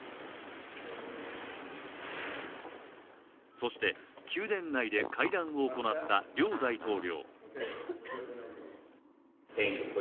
そして宮殿内で会談を行った両大統領。